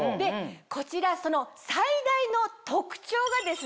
こちらその最大の特徴がですね